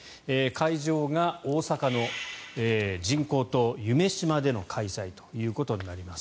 会場が大阪の人工島夢洲での開催となります。